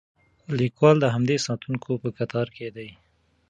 لیکوال د همدې ساتونکو په کتار کې دی.